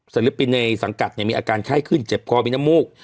สลิปิเนสังกัดเนี่ยมีอาการไข้ขึ้นเจ็บคอมินมูก